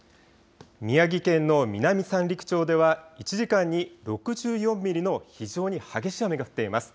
宮城県の南三陸町では１時間に６４ミリの非常に激しい雨が降っています。